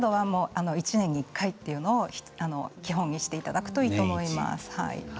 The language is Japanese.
１年に１回を基本にしていただくといいと思います。